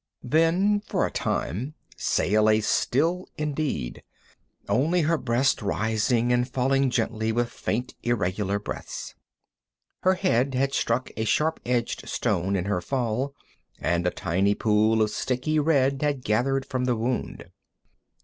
Then for a time Saya lay still indeed, only her breast rising and falling gently with faint and irregular breaths. Her head had struck a sharp edged stone in her fall, and a tiny pool of sticky red had gathered from the wound.